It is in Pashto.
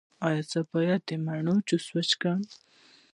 ایا زه باید د مڼې جوس وڅښم؟